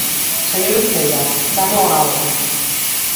Señor Uceira, chámoo á orde.